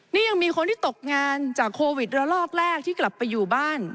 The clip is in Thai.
นี่ยังมีคนที่ตกงานจากโควิดระลอกแรกที่กลับไปอยู่บ้าน